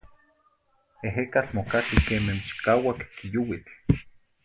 Ehecatl mocaqui queme chicauac quiyouitl.